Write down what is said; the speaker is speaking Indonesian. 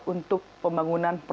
untuk pembangunan infrastruktur